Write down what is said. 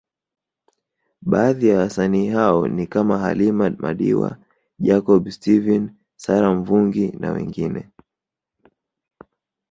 Baadhi ya wasanii hao ni kama Halima madiwa Jacob Steven Sara Mvungi na wengine